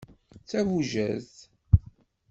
D tabujadt.